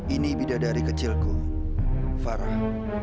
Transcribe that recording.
ini bidadari kecilku farah